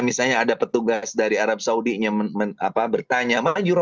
misalnya ada petugas dari arab saudi yang bertanya